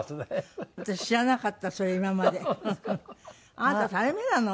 あなた垂れ目なの？